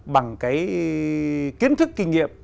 bằng cái kiến thức kinh nghiệm